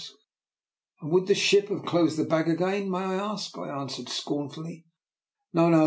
And would the ship have closed the bag again, may I ask? " I answered, scornfully. " No, no!